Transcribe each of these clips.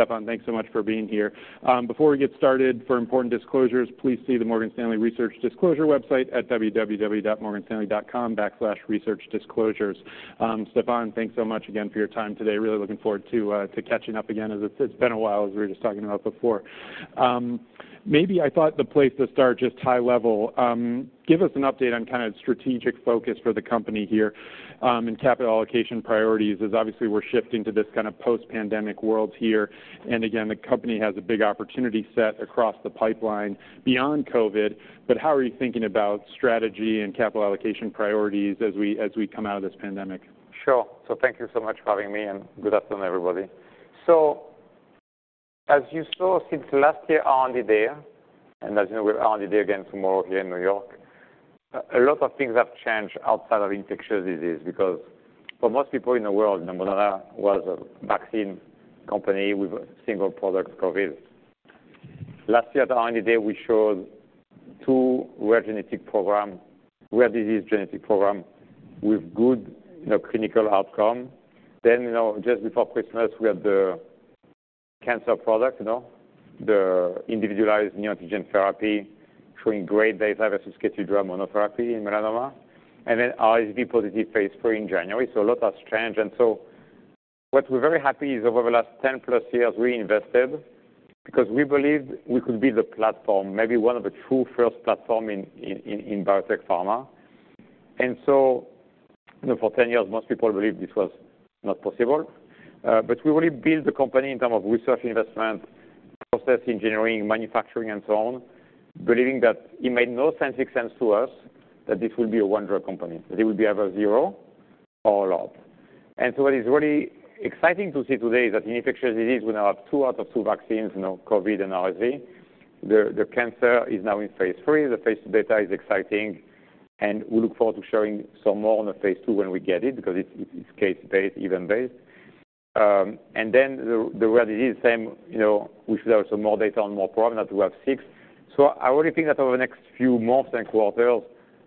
Stéphane, thanks so much for being here. Before we get started, for important disclosures, please see the Morgan Stanley Research Disclosure website at www.morganstanley.com/researchdisclosures. Stéphane, thanks so much again for your time today. Really looking forward to to catching up again, as it's, it's been a while, as we were just talking about before. Maybe I thought the place to start, just high level, give us an update on kind of strategic focus for the company here, and capital allocation priorities, as obviously we're shifting to this kind of post-pandemic world here. And again, the company has a big opportunity set across the pipeline beyond COVID, but how are you thinking about strategy and capital allocation priorities as we, as we come out of this pandemic? Sure. So thank you so much for having me, and good afternoon, everybody. So as you saw since last year, R&D Day, and as you know, we're R&D Day again tomorrow here in New York, a lot of things have changed outside of infectious disease, because for most people in the world, Moderna was a vaccine company with a single product, COVID. Last year at R&D Day, we showed two rare genetic program, rare disease genetic program with good, you know, clinical outcome. Then, you know, just before Christmas, we had the cancer product, you know, the individualized neoantigen therapy, showing great data versus KEYTRUDA monotherapy in melanoma. And then RSV positive phase III in January. So a lot has changed. So what we're very happy is over the last 10+ years, we invested because we believed we could build a platform, maybe one of the true first platforms in biotech pharma. So, you know, for 10 years, most people believed this was not possible. But we really built the company in terms of research, investment, process engineering, manufacturing, and so on, believing that it made no sense to us that this would be a one-drug company, that it would be either zero or a lot. So what is really exciting to see today is that in infectious disease, we now have two out of two vaccines, you know, COVID and RSV. The cancer is now in phase III. The phase II data is exciting, and we look forward to sharing some more on the phase II when we get it, because it's case-based, event-based. And then the rare disease, same, you know, we see also more data on more programs to have six. So I already think that over the next few months and quarters,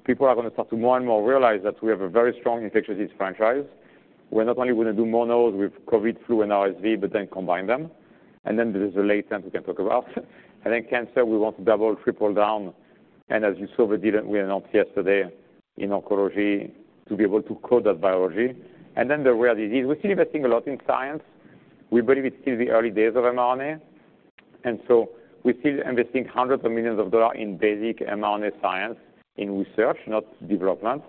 people are going to start to more and more realize that we have a very strong infectious disease franchise. We're not only going to do monos with COVID, flu, and RSV, but then combine them, and then there is a latent we can talk about. And then cancer, we want to double, triple down, and as you saw, we did it. We announced yesterday in oncology to be able to code that biology. And then the rare disease. We're still investing a lot in science. We believe it's still the early days of mRNA, and so we're still investing $hundreds of millions in basic mRNA science in research, not development.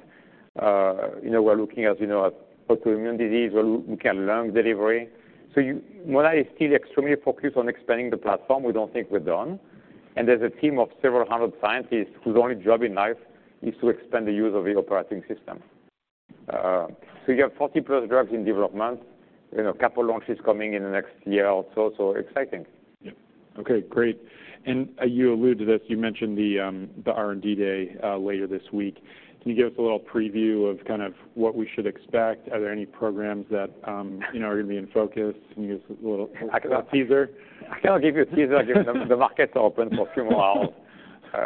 You know, we're looking at, you know, at autoimmune disease, where we can learn delivery. So Moderna is still extremely focused on expanding the platform. We don't think we're done. And there's a team of several hundred scientists whose only job in life is to expand the use of the operating system. So we have 40+ drugs in development, you know, a couple launches coming in the next year or so. So exciting. Yeah. Okay, great. And, you alluded to this, you mentioned the R&D Day later this week. Can you give us a little preview of kind of what we should expect? Are there any programs that, you know, are going to be in focus? Can you give us a little teaser? I cannot give you a teaser, given the markets are open for a few more hours,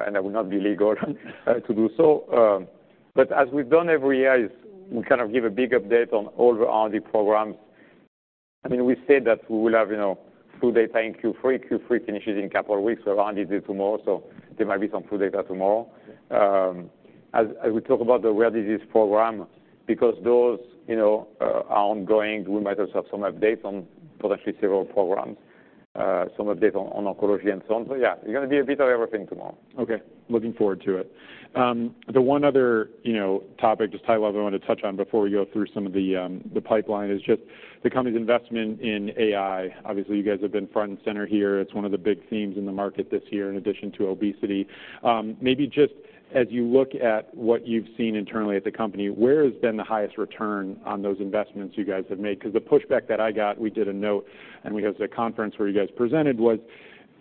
and that would not be legal to do so. But as we've done every year, is we kind of give a big update on all the R&D programs. I mean, we said that we will have, you know, full data in Q3. Q3 finishes in a couple of weeks. So R&D Day tomorrow, so there might be some full data tomorrow. As we talk about the rare disease program, because those, you know, are ongoing, we might as well have some updates on potentially several programs, some updates on oncology and so on. So yeah, it's going to be a bit of everything tomorrow. Okay, looking forward to it. The one other, you know, topic, just high level, I want to touch on before we go through some of the pipeline, is just the company's investment in AI. Obviously, you guys have been front and center here. It's one of the big themes in the market this year, in addition to obesity. Maybe just as you look at what you've seen internally at the company, where has been the highest return on those investments you guys have made? Because the pushback that I got, we did a note, and we hosted a conference where you guys presented, was,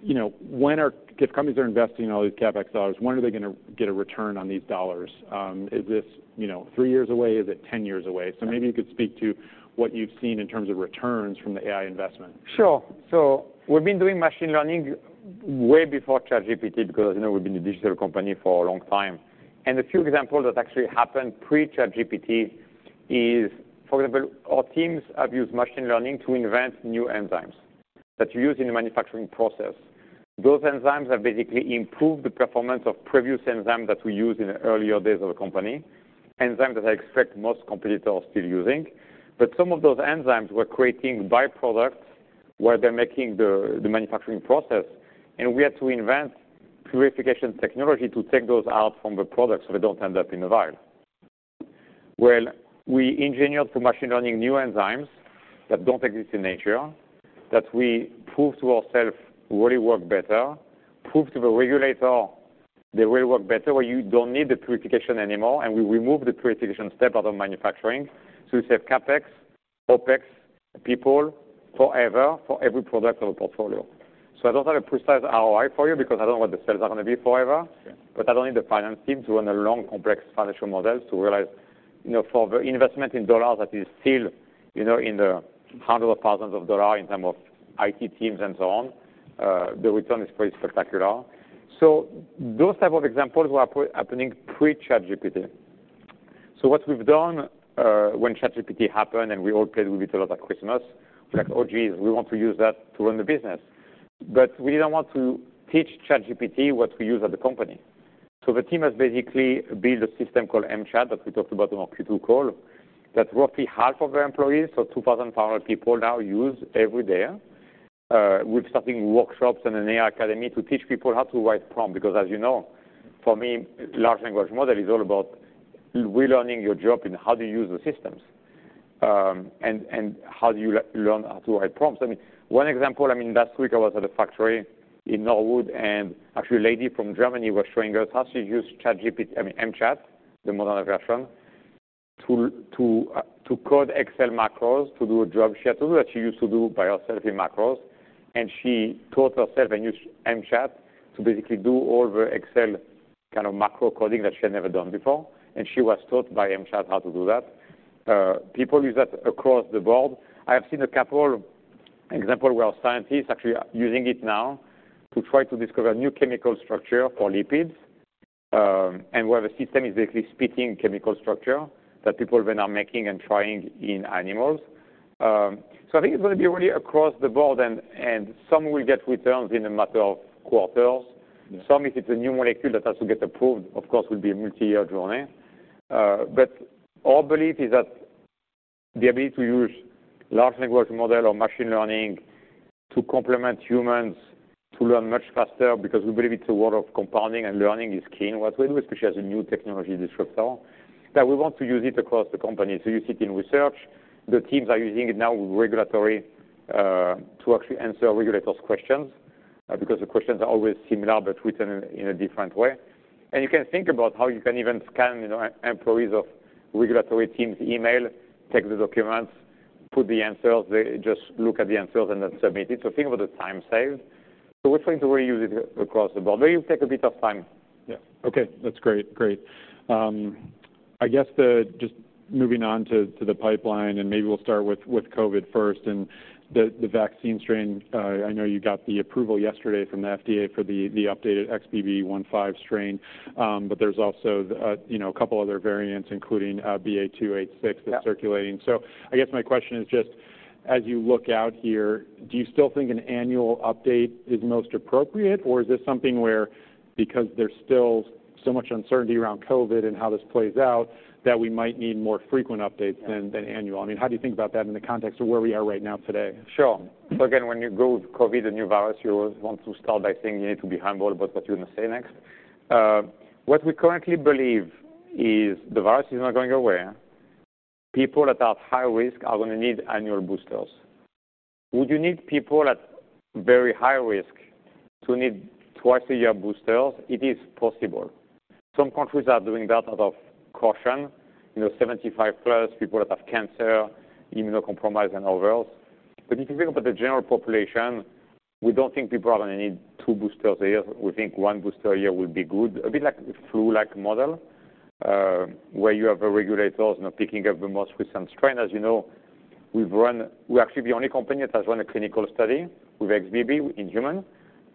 you know, when are... If companies are investing all these CapEx dollars, when are they going to get a return on these dollars? Is this, you know, three years away? Is it 10 years away? Maybe you could speak to what you've seen in terms of returns from the AI investment. Sure. So we've been doing machine learning way before ChatGPT, because, you know, we've been a digital company for a long time. And a few examples that actually happened pre-ChatGPT is, for example, our teams have used machine learning to invent new enzymes that we use in the manufacturing process. Those enzymes have basically improved the performance of previous enzyme that we used in the earlier days of the company, enzymes that I expect most competitors are still using. But some of those enzymes were creating byproducts, where they're making the manufacturing process, and we had to invent purification technology to take those out from the products so they don't end up in the vial. Well, we engineered through machine learning, new enzymes that don't exist in nature, that we proved to ourselves really work better, proved to the regulator they really work better, where you don't need the purification anymore, and we remove the purification step out of manufacturing. So we save CapEx, OpEx, people forever, for every product of a portfolio. So I don't have a precise ROI for you, because I don't know what the sales are going to be forever. Yeah. But I don't need the finance team to run a long, complex financial model to realize, you know, for the investment in dollars, that is still, you know, in the hundreds of thousands of dollars in terms of IT teams and so on, the return is pretty spectacular. So those type of examples were happening pre-ChatGPT. So what we've done, when ChatGPT happened, and we all played with it a lot at Christmas, we're like, "Oh, geez, we want to use that to run the business." But we didn't want to teach ChatGPT what we use at the company. So the team has basically built a system called M-Chat, that we talked about on our Q2 call, that roughly half of our employees, so 2,500 people, now use every day. We're starting workshops and an AI academy to teach people how to write prompt. Because as you know, for me, large language model is all about relearning your job and how do you use the systems, and how do you learn how to write prompts? I mean, one example, I mean, last week I was at a factory in Norwood, and actually, a lady from Germany was showing us how she used ChatGPT, I mean, mChat, the Moderna version, to code Excel macros to do a job that she used to do by herself in macros. And she taught herself and used mChat to basically do all the Excel kind of macro coding that she had never done before, and she was taught by mChat how to do that. People use that across the board. I have seen a couple example where scientists actually are using it now to try to discover new chemical structure for lipids, and where the system is basically spitting chemical structure that people are then making and trying in animals. So I think it's gonna be really across the board, and, and some will get returns in a matter of quarters. Mm-hmm. Some, if it's a new molecule that has to get approved, of course, will be a multi-year journey. But our belief is that the ability to use large language model or machine learning to complement humans to learn much faster, because we believe it's a world of compounding and learning, is key in what we do, especially as a new technology disruptor, that we want to use it across the company. So you see it in research. The teams are using it now in regulatory to actually answer regulators' questions because the questions are always similar, but written in a different way. And you can think about how you can even scan, you know, employees of regulatory teams' email, take the documents, put the answers, they just look at the answers and then submit it. So think about the time saved. So we're trying to really use it across the board. Maybe it'll take a bit of time. Yeah. Okay, that's great. Great. I guess just moving on to the pipeline, and maybe we'll start with COVID first, and the vaccine strain. I know you got the approval yesterday from the FDA for the updated XBB.1.5 strain. But there's also, you know, a couple other variants, including BA.2.86- Yeah... that's circulating. So I guess my question is just, as you look out here, do you still think an annual update is most appropriate, or is this something where because there's still so much uncertainty around COVID and how this plays out, that we might need more frequent updates- Yeah... than annual? I mean, how do you think about that in the context of where we are right now today? Sure. So again, when you go with COVID, the new virus, you want to start by saying you need to be humble about what you're going to say next. What we currently believe is the virus is not going away. People that are at high risk are going to need annual boosters. Would you need people at very high risk to need twice-a-year boosters? It is possible. Some countries are doing that out of caution, you know, 75+, people that have cancer, immunocompromised, and others. But if you think about the general population, we don't think people are going to need two boosters a year. We think one booster a year would be good. A bit like a flu-like model, where you have the regulators, you know, picking up the most recent strain. As you know, we've run. We're actually the only company that has run a clinical study with XBB in humans.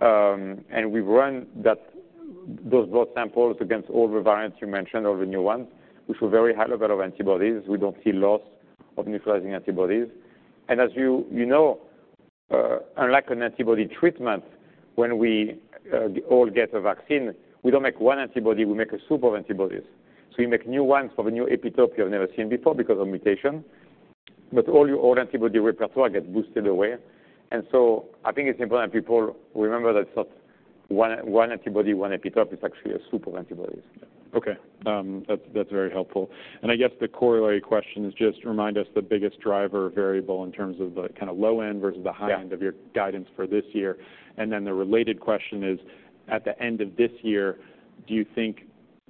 And we've run that. Those blood samples against all the variants you mentioned, all the new ones, which were very high level of antibodies. We don't see loss of neutralizing antibodies. And as you, you know, unlike an antibody treatment, when we all get a vaccine, we don't make one antibody, we make a soup of antibodies. So we make new ones for the new epitope you've never seen before because of mutation, but all your old antibody repertoire get boosted away. And so I think it's important people remember that it's not one, one antibody, one epitope. It's actually a soup of antibodies. Okay. That's, that's very helpful. And I guess the corollary question is just remind us the biggest driver variable in terms of the kind of low end versus the- Yeah... high end of your guidance for this year. The related question is, at the end of this year, do you think,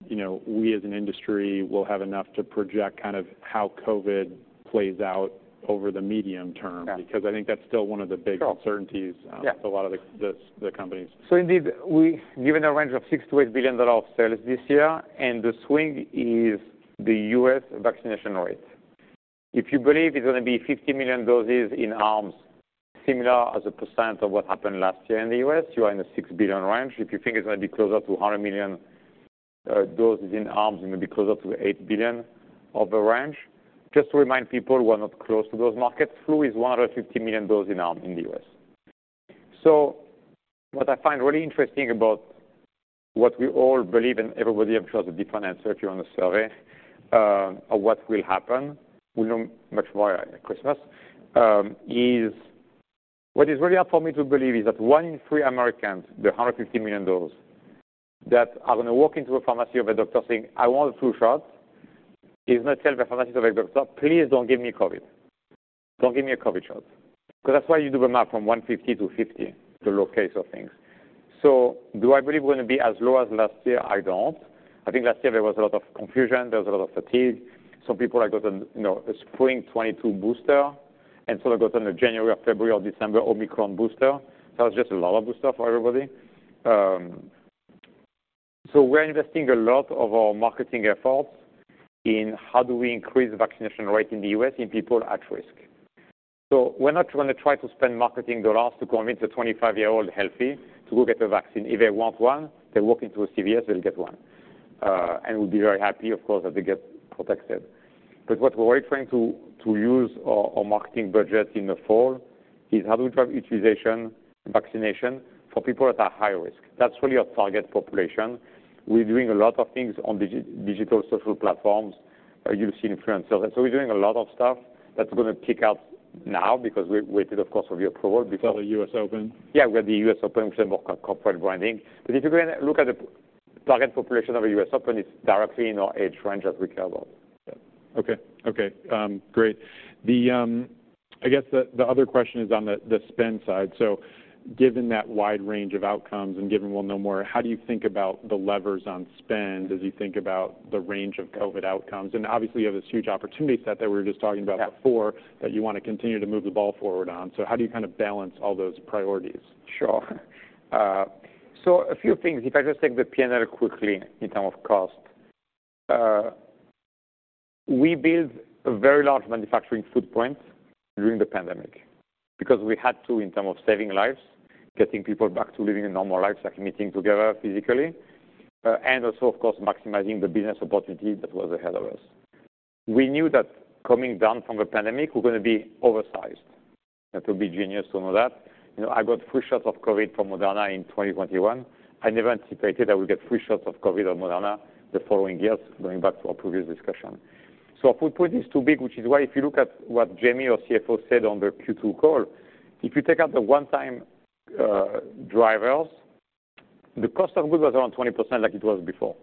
you know, we as an industry will have enough to project kind of how COVID plays out over the medium term? Yeah. Because I think that's still one of the big- Sure... uncertainties- Yeah... with a lot of the companies. So indeed, we've given a range of $6 billion-$8 billion of sales this year, and the swing is the U.S. vaccination rate. If you believe it's going to be 50 million doses in arms, similar as a percent of what happened last year in the U.S., you are in the $6 billion range. If you think it's going to be closer to 100 million doses in arms, it may be closer to $8 billion of the range. Just to remind people, we're not close to those markets. Flu is 150 million doses in arm in the U.S. So what I find really interesting about what we all believe, and everybody, of course, a different answer if you're on a survey, of what will happen, we'll know much more at Christmas, is... What is really hard for me to believe is that one in three Americans, the 150 million doses, that are going to walk into a pharmacy of a doctor saying, "I want a flu shot," is going to tell the pharmacist or the doctor, "Please don't give me COVID. Don't give me a COVID shot." Because that's why you do the math from 150 to 50, the low case of things. So do I believe we're going to be as low as last year? I don't. I think last year there was a lot of confusion, there was a lot of fatigue. Some people had gotten, you know, a spring 2022 booster, and some had gotten a January or February or December Omicron booster. So it was just a lot of booster for everybody. So we're investing a lot of our marketing efforts in how do we increase vaccination rate in the U.S. in people at risk? So we're not going to try to spend marketing dollars to convince a 25-year-old healthy to go get the vaccine. If they want one, they walk into a CVS, they'll get one. And we'll be very happy, of course, that they get protected. But what we're trying to use our marketing budget in the fall is how do we drive utilization, vaccination for people at a high risk? That's really our target population. We're doing a lot of things on digital social platforms, you'll see influencers. So we're doing a lot of stuff that's going to kick out now because we did, of course, review approval before- The U.S. Open. Yeah, we had the U.S. Open, which is more corporate branding. But if you're going to look at the target population of the U.S. Open, it's directly in our age range as we care about. Okay. Okay, great. The, I guess the other question is on the spend side. So given that wide range of outcomes and given we'll know more, how do you think about the levers on spend as you think about the range of COVID outcomes? And obviously, you have this huge opportunity set that we were just talking about before- Yeah that you want to continue to move the ball forward on. So how do you kind of balance all those priorities? Sure. So a few things. If I just take the P&L quickly in terms of cost. We built a very large manufacturing footprint during the pandemic because we had to in terms of saving lives, getting people back to living a normal life, like meeting together physically, and also, of course, maximizing the business opportunity that was ahead of us. We knew that coming down from the pandemic, we're going to be oversized. That would be genius to know that. You know, I got three shots of COVID from Moderna in 2021. I never anticipated I would get three shots of COVID on Moderna the following years, going back to our previous discussion. So our footprint is too big, which is why if you look at what Jamie, our CFO, said on the Q2 call, if you take out the one-time, drivers, the cost of goods was around 20% like it was before.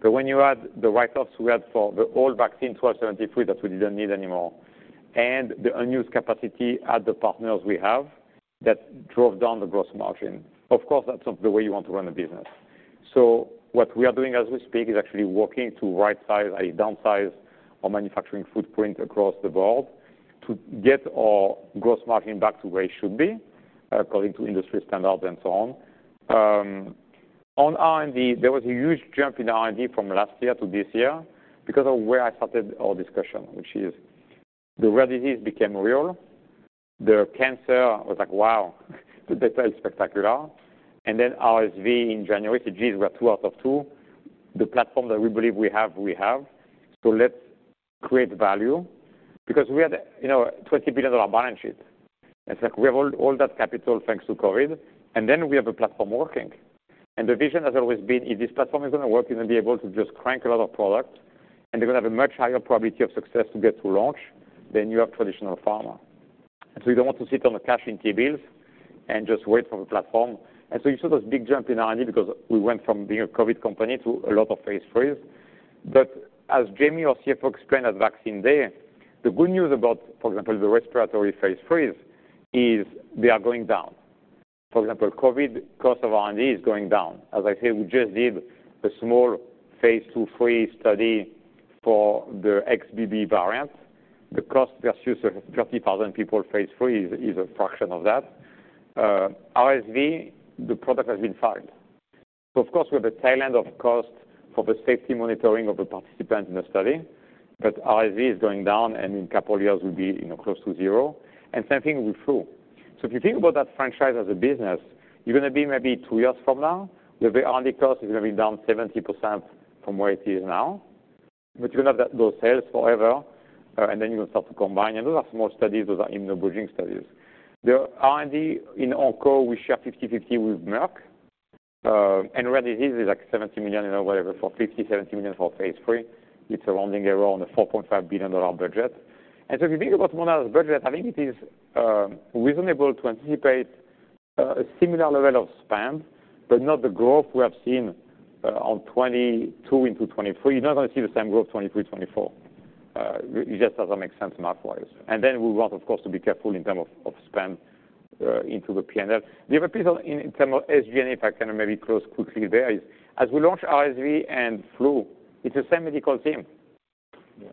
But when you add the write-offs we had for the old vaccine, 1273, that we didn't need anymore, and the unused capacity at the partners we have, that drove down the gross margin. Of course, that's not the way you want to run a business. So what we are doing as we speak is actually working to right size, i.e., downsize our manufacturing footprint across the board to get our gross margin back to where it should be, according to industry standards and so on. On R&D, there was a huge jump in R&D from last year to this year because of where I started our discussion, which is the rare disease became real, the cancer was like, wow, the data is spectacular. And then RSV in January, so geez, we're two out of two. The platform that we believe we have, we have, so let's create value because we had, you know, $20 billion balance sheet. It's like we have all, all that capital, thanks to COVID, and then we have a platform working. And the vision has always been, if this platform is going to work, we're going to be able to just crank a lot of product, and they're going to have a much higher probability of success to get to launch than your traditional pharma. And so you don't want to sit on the cash in T-bills and just wait for the platform. And so you saw those big jump in R&D because we went from being a COVID company to a lot of phase IIIs. But as Jamie, our CFO, explained at Vaccine Day, the good news about, for example, the respiratory phase IIIs, is they are going down. For example, COVID cost of R&D is going down. As I said, we just did a small phase II/III study for the XBB variant. The cost versus 30,000 people phase III is a fraction of that. RSV, the product has been filed. So of course, we have a tail end of cost for the safety monitoring of the participants in the study, but RSV is going down, and in a couple of years, will be, you know, close to zero. And same thing with flu. So if you think about that franchise as a business, you're going to be maybe two years from now, where the R&D cost is going to be down 70% from where it is now. But you're going to have that, those sales forever, and then you're going to start to combine, and those are small studies. Those are immunobridging studies. The R&D in onco, we share 50/50 with Merck, and rare disease is like $70 million in whatever, for $50-$70 million for phase III. It's a rounding error on the $4.5 billion budget. And so if you think about Moderna's budget, I think it is, reasonable to anticipate, a similar level of spend, but not the growth we have seen, on 2022 into 2023. You're not going to see the same growth, 2023, 2024. It just doesn't make sense math-wise. And then we want, of course, to be careful in term of spend into the PNL. The other piece in term of SG&A, if I can maybe close quickly there, is as we launch RSV and flu, it's the same medical team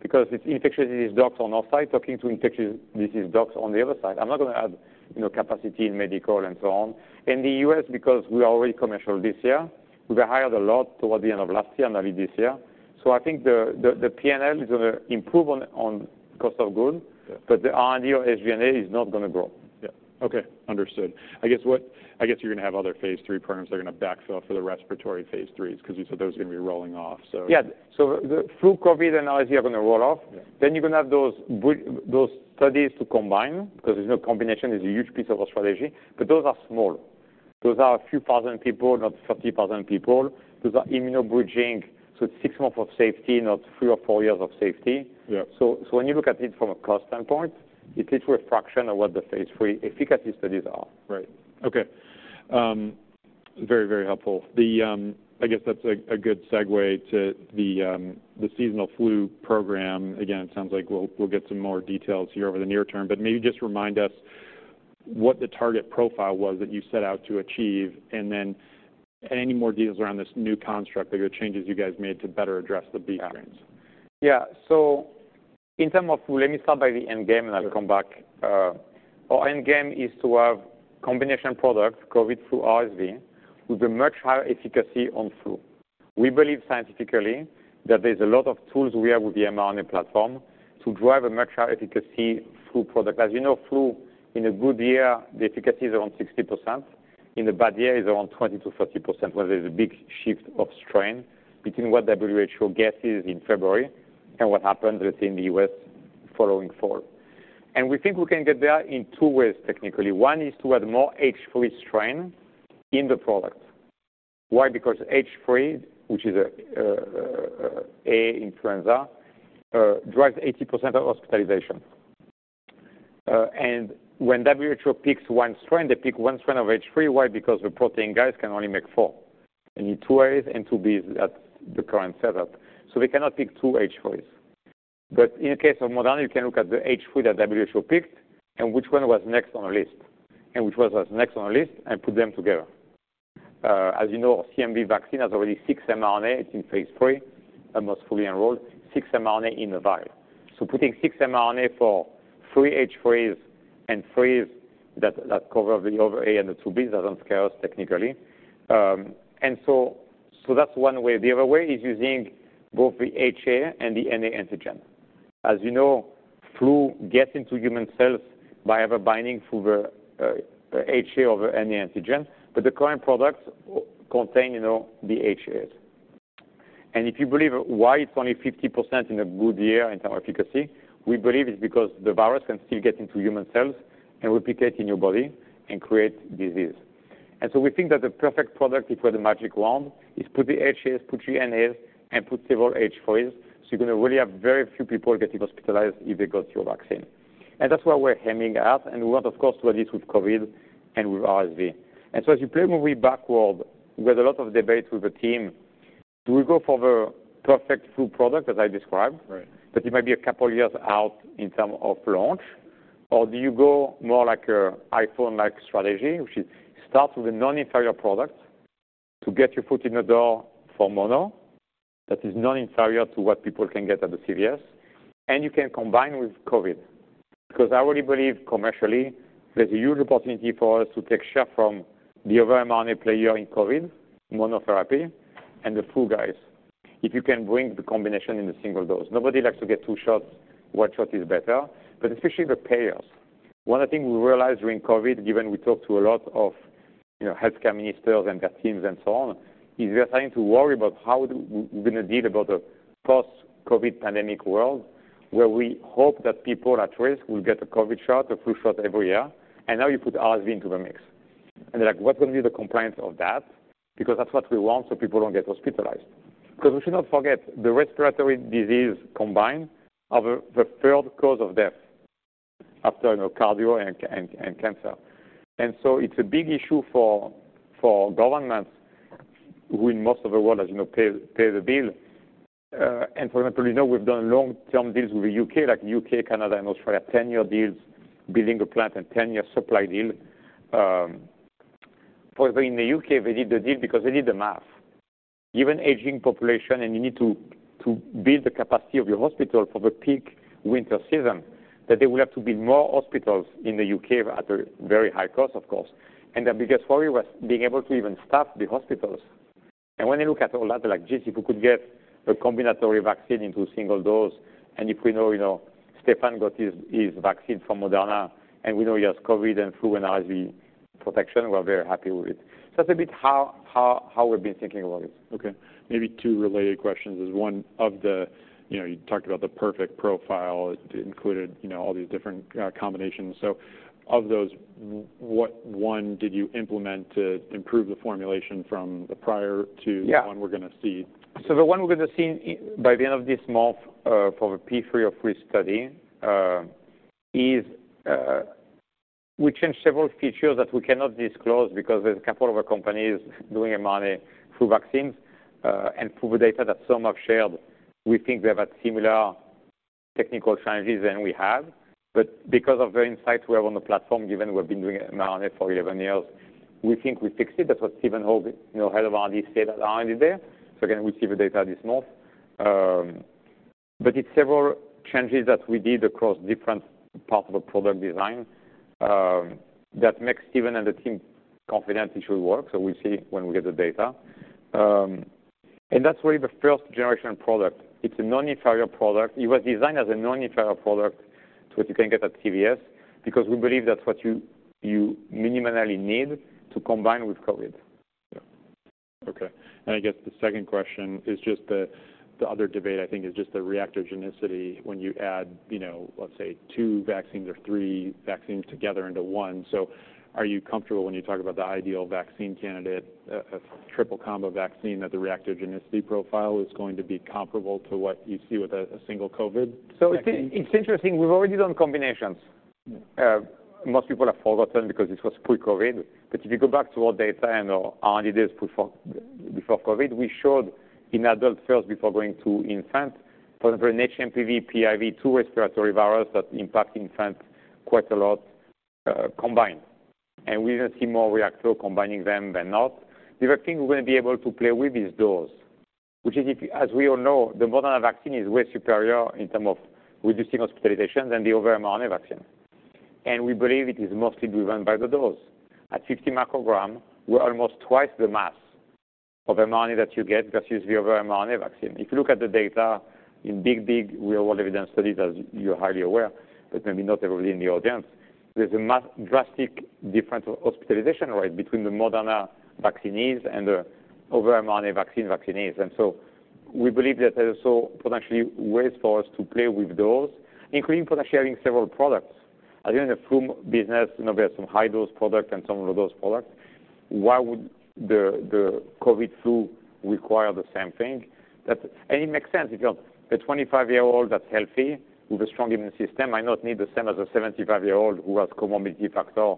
because it's infectious disease docs on our side talking to infectious disease docs on the other side. I'm not going to add, you know, capacity in medical and so on. In the U.S., because we are already commercial this year, we got hired a lot toward the end of last year and early this year. So I think the PNL is going to improve on cost of goods- Yeah. But the R&D or SG&A is not going to grow. Yeah. Okay, understood. I guess you're going to have other phase III programs that are going to backfill for the respiratory phase III's, because you said those are going to be rolling off, so. Yeah. So the flu, COVID, and RSV are going to roll off. Yeah. Then you're going to have those studies to combine, because, you know, combination is a huge piece of our strategy, but those are small. Those are a few thousand people, not 30,000 people. Those are immunobridging, so it's six months of safety, not three or four years of safety. Yeah. So, when you look at it from a cost standpoint, it is worth a fraction of what the phase III efficacy studies are. Right. Okay. Very, very helpful. I guess that's a good segue to the seasonal flu program. Again, it sounds like we'll get some more details here over the near term, but maybe just remind us what the target profile was that you set out to achieve, and then any more details around this new construct, like the changes you guys made to better address the B strains? Yeah. So in terms of flu, let me start by the end game, and I'll come back. Our end game is to have combination products, COVID, flu, RSV, with a much higher efficacy on flu. We believe scientifically that there's a lot of tools we have with the mRNA platform to drive a much higher efficacy through product. As you know, flu in a good year, the efficacy is around 60%. In a bad year, it's around 20%-30%, where there's a big shift of strain between what WHO guesses in February and what happens within the U.S. following fall. And we think we can get there in two ways, technically. One is to add more H3 strain in the product. Why? Because H3, which is a A influenza, drives 80% of hospitalization. And when WHO picks one strain, they pick one strain of H3. Why? Because the protein guys can only make four. They need two A's and two B's at the current setup, so they cannot pick two H3s. But in the case of Moderna, you can look at the H3 that WHO picked and which one was next on the list, and which was next on the list, and put them together. As you know, CMV vaccine has already six mRNA. It's in phase III and most fully enrolled, six mRNA in the vial. So putting six mRNA for three H3s and threes that, that cover the other A and the two Bs doesn't scare us technically. And so, so that's one way. The other way is using both the HA and the NA antigen. As you know, flu gets into human cells by having binding through the HA or NA antigen, but the current products contain, you know, the HAs. And if you believe why it's only 50% in a good year in terms of efficacy, we believe it's because the virus can still get into human cells and replicate in your body and create disease. And so we think that the perfect product, if we had a magic wand, is put the HAs, put NAs, and put several H3s, so you're going to really have very few people getting hospitalized if they got your vaccine. And that's where we're aiming at, and we want, of course, to do this with COVID and with RSV. And so as you play movie backward, we had a lot of debates with the team. Do we go for the perfect flu product, as I described? Right. But it might be a couple years out in terms of launch, or do you go more like an iPhone-like strategy, which is start with a non-inferior product to get your foot in the door for mono, that is non-inferior to what people can get at the CVS, and you can combine with COVID. Because I already believe commercially, there's a huge opportunity for us to take share from the other mRNA player in COVID, monotherapy, and the flu guys, if you can bring the combination in a single dose. Nobody likes to get two shots. One shot is better, but especially the payers. One thing we realized during COVID, given we talked to a lot of, you know, healthcare ministers and their teams and so on, is they're starting to worry about how we're going to deal about a post-COVID pandemic world, where we hope that people at risk will get a COVID shot, a flu shot every year, and now you put RSV into the mix. They're like, "What's going to be the compliance of that?" Because that's what we want, so people don't get hospitalized. Because we should not forget, the respiratory disease combined are the third cause of death after, you know, cardio and cancer. So it's a big issue for governments who in most of the world, as you know, pay the bill. And for example, you know, we've done long-term deals with the U.K., like U.K., Canada, and Australia, 10-year deals, building a plant and 10-year supply deal. For in the U.K., they did the deal because they did the math. Given aging population, and you need to build the capacity of your hospital for the peak winter season, that they will have to build more hospitals in the U.K. at a very high cost, of course. And their biggest worry was being able to even staff the hospitals. And when they look at all that, they're like, "Geez, if we could get a combinatory vaccine into a single dose," and if we know, you know, Stéphane got his vaccine from Moderna, and we know he has COVID and flu and RSV protection, we're very happy with it. So that's a bit how we've been thinking about it. Okay. Maybe two related questions is one of the... You know, you talked about the perfect profile. It included, you know, all these different combinations. So of those, what one did you implement to improve the formulation from the prior to- Yeah... the one we're going to see? So the one we're going to see by the end of this month for the phase III of three study is we changed several features that we cannot disclose because there's a couple other companies doing mRNA flu vaccines. And through the data that some have shared, we think they've had similar technical challenges than we have. But because of the insights we have on the platform, given we've been doing mRNA for 11 years, we think we fixed it. That's what Stephen Hoge, you know, head of R&D, said at R&D Day. So again, we'll see the data this month. But it's several changes that we did across different parts of the product design that makes Stephen and the team confident it should work. So we'll see when we get the data. And that's really the first-generation product. It's a non-inferior product. It was designed as a non-inferior product to what you can get at CVS, because we believe that's what you minimally need to combine with COVID. Yeah. Okay, and I guess the second question is just the other debate, I think, is just the reactogenicity when you add, you know, let's say two vaccines or three vaccines together into one. So are you comfortable, when you talk about the ideal vaccine candidate, a triple combo vaccine, that the reactogenicity profile is going to be comparable to what you see with a single COVID vaccine? So it's, it's interesting, we've already done combinations. Most people have forgotten because this was pre-COVID, but if you go back to our data and our ideas before, before COVID, we showed in adult cells before going to infant, for HMPV, PIV, two respiratory virus that impact infants quite a lot, combined. And we even see more reactive combining them than not. The other thing, we're going to be able to play with is dose, which is if, as we all know, the Moderna vaccine is way superior in term of reducing hospitalizations than the other mRNA vaccine, and we believe it is mostly driven by the dose. At 50 microgram, we're almost twice the mass of mRNA that you get versus the other mRNA vaccine. If you look at the data in big, big real world evidence studies, as you're highly aware, but maybe not everybody in the audience, there's a massive drastic difference of hospitalization rate between the Moderna vaccinees and the other mRNA vaccine vaccinees. And so we believe that there's so potentially ways for us to play with those, including potentially having several products. I think in the flu business, you know, there's some high-dose product and some low-dose product. Why would the COVID flu require the same thing? That, and it makes sense. If you're a 25-year-old that's healthy, with a strong immune system, might not need the same as a 75-year-old who has comorbidity factor,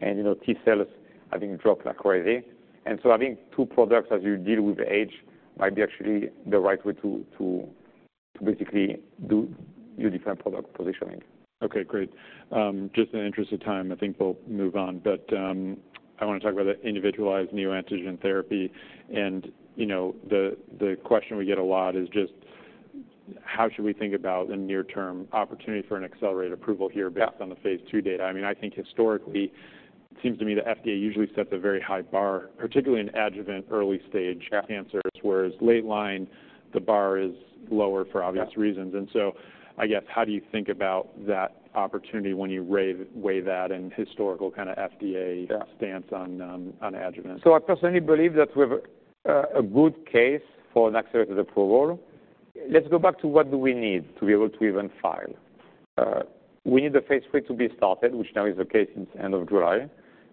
and, you know, T-cells have been dropped like crazy. And so having two products as you deal with age might be actually the right way to to basically do your different product positioning. Okay, great. Just in the interest of time, I think we'll move on. But, I wanna talk about the Individualized Neoantigen Therapy. And, you know, the, the question we get a lot is just how should we think about the near-term opportunity for an accelerated approval here- Yeah... based on the phase II data? I mean, I think historically, it seems to me the FDA usually sets a very high bar, particularly in adjuvant early stage- Yeah cancers, whereas late line, the bar is lower for obvious reasons. Yeah. So I guess, how do you think about that opportunity when you weigh that in historical kind of FDA- Yeah - stance on adjuvant? So I personally believe that we have a good case for an accelerated approval. Let's go back to what do we need to be able to even file. We need the phase III to be started, which now is the case since end of July.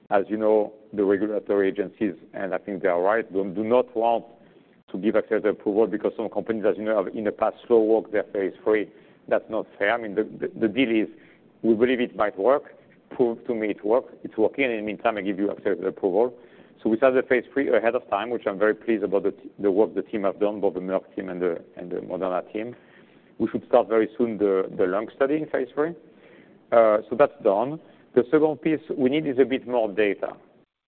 As you know, the regulatory agencies, and I think they are right, do not want to give accelerated approval because some companies, as you know, have in the past slow walked their phase III. That's not fair. I mean, the deal is we believe it might work. Prove to me it work. It's working, and in the meantime, I give you accelerated approval. So we start the phase III ahead of time, which I'm very pleased about the work the team have done, both the Merck team and the Moderna team. We should start very soon the lung study in phase III. So that's done. The second piece we need is a bit more data.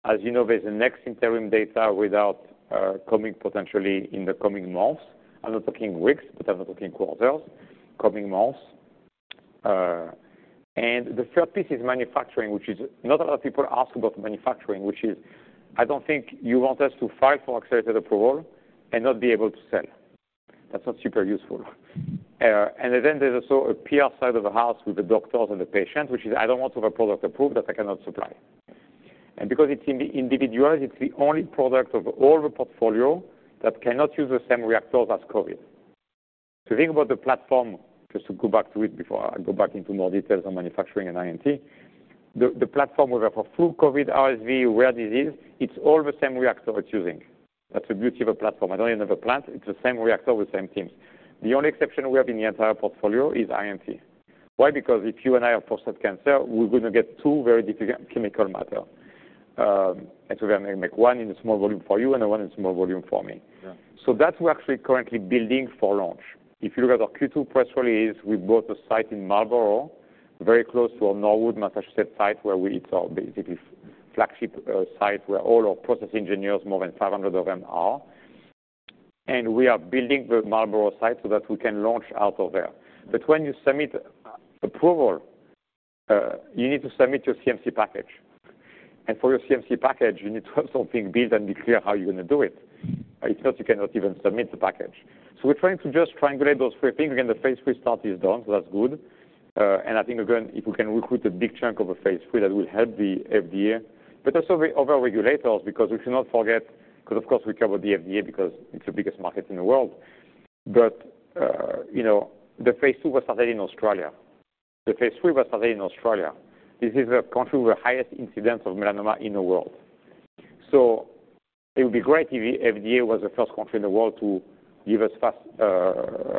As you know, there's the next interim data without coming potentially in the coming months. I'm not talking weeks, but I'm not talking quarters, coming months. And the third piece is manufacturing, which is not a lot of people ask about manufacturing, which is I don't think you want us to fight for accelerated approval and not be able to sell. That's not super useful. And then there's also a PR side of the house with the doctors and the patients, which is I don't want to have a product approved that I cannot supply. And because it's individualized, it's the only product of all the portfolio that cannot use the same reactors as COVID. To think about the platform, just to go back to it before I go back into more details on manufacturing and INT, the platform whether for flu, COVID, RSV, rare disease, it's all the same reactor we're choosing. That's the beauty of a platform. I don't even have a plant. It's the same reactor with same teams. The only exception we have in the entire portfolio is INT. Why? Because if you and I have prostate cancer, we're going to get two very different chemical matter. And so we're going to make one in a small volume for you and one in small volume for me. Yeah. So that we're actually currently building for launch. If you look at our Q2 press release, we bought a site in Marlborough, very close to our Norwood, Massachusetts, site, where we... It's our basically flagship site, where all our process engineers, more than 500 of them, are. And we are building the Marlborough site so that we can launch out of there. When you submit approval, you need to submit your CMC package. And for your CMC package, you need to have something big and be clear how you're going to do it. If not, you cannot even submit the package. We're trying to just triangulate those three things. Again, the phase III start is done, so that's good. And I think again, if we can recruit a big chunk of the phase III, that will help the FDA, but also the other regulators, because we cannot forget, because of course, we cover the FDA because it's the biggest market in the world. But, you know, the phase II was started in Australia. The phase III was started in Australia. This is a country with the highest incidence of melanoma in the world. So it would be great if the FDA was the first country in the world to give us fast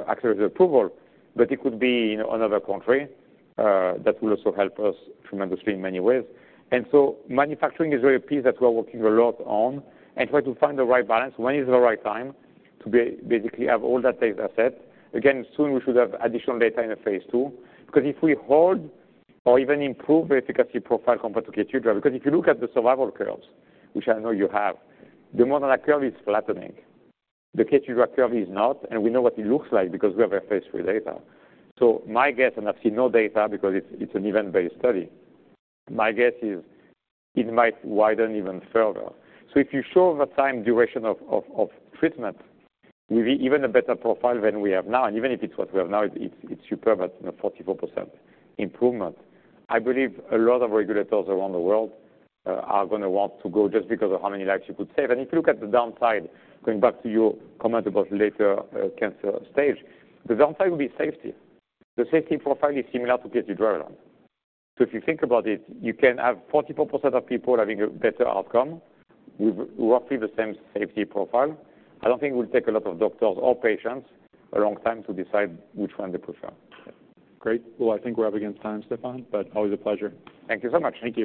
access approval, but it could be, you know, another country, that will also help us tremendously in many ways. And so manufacturing is very piece that we're working a lot on, and try to find the right balance. When is the right time to basically have all that data set? Again, soon we should have additional data in the phase II. Because if we hold or even improve the efficacy profile compared to KEYTRUDA, because if you look at the survival curves, which I know you have, the Moderna curve is flattening. The KEYTRUDA curve is not, and we know what it looks like because we have phase III data. So my guess, and I've seen no data because it's an event-based study, my guess is it might widen even further. So if you show the time duration of treatment, we've even a better profile than we have now. And even if it's what we have now, it's superb at, you know, 44% improvement. I believe a lot of regulators around the world are going to want to go just because of how many lives you could save. If you look at the downside, going back to your comment about later cancer stage, the downside will be safety. The safety profile is similar to KEYTRUDA. So if you think about it, you can have 44% of people having a better outcome with roughly the same safety profile. I don't think it will take a lot of doctors or patients a long time to decide which one they prefer. Great. Well, I think we're up against time, Stéphane, but always a pleasure. Thank you so much. Thank you.